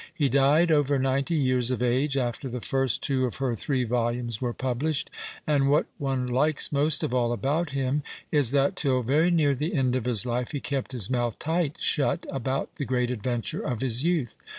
He died, over 90 years of age, after the first two of her three volumes were published, and what one likes most of all about him is that, till very near the end of his life, he kept his mouth tight siiut about the great adventure of his youth.